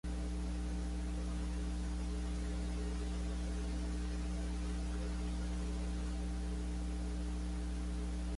Louis-Dreyfus continuó diciendo que, de hecho, no está maldita.